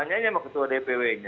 tanyanya sama ketua dpw nya